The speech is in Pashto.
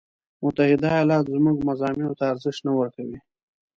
متحده ایالات زموږ مضامینو ته ارزش نه ورکوي.